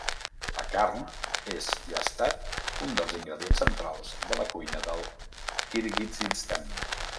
La carn és i ha estat un dels ingredients centrals de la cuina del Kirguizistan.